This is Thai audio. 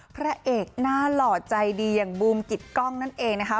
พระเอกหน้าหล่อใจดีอย่างบูมกิตกล้องนั่นเองนะคะ